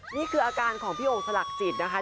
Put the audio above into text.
นี่คืออาการของพี่โอ่งสลักจิตนะคะ